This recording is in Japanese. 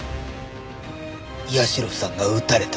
社さんが撃たれた。